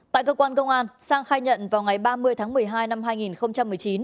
tại cơ quan công an sang khai nhận vào ngày ba mươi tháng một mươi hai năm hai nghìn một mươi chín